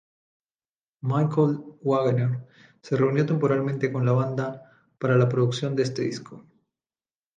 Michael Wagener se reunió temporalmente con la banda para la producción de este disco.